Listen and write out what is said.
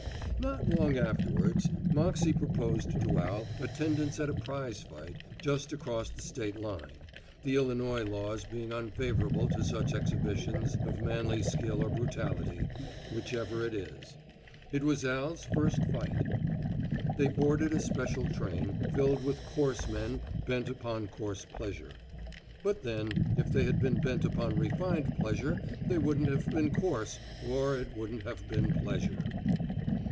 Not long afterwards, Moxey proposed to Al attendance at a prizefight just across the State line, the Illinois laws being unfavorable to such exhibitions of manly skill or brutality, whichever it is. It was Al's first fight. They boarded a special train, filled with coarse men bent upon coarse pleasure. But then, if they had been bent upon refined pleasure they wouldn't have been coarse or it wouldn't have been pleasure.